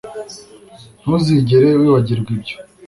Ntuzigera wibagirwa ibyo